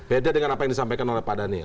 beda dengan apa yang disampaikan oleh pak daniel